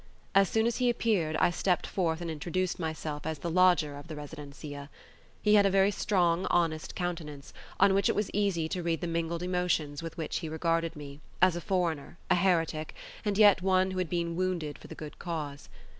As soon as he appeared I stepped forth and introduced myself as the lodger of the residencia. He had a very strong, honest countenance, on which it was easy to read the mingled emotions with which he regarded me, as a foreigner, a heretic, and yet one who had been wounded for the good cause.